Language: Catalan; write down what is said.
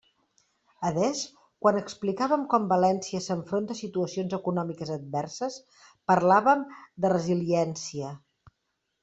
Adés, quan explicàvem com València s'enfronta a situacions econòmiques adverses, parlàvem de resiliència.